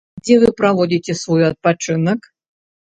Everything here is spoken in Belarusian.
Дзе вы праводзіце свой адпачынак?